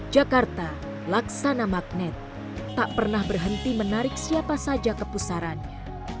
jakarta laksana magnet tak pernah berhenti menarik siapa saja kepusarannya